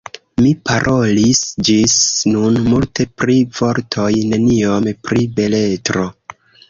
Mi parolis ĝis nun multe pri vortoj, neniom pri beletro.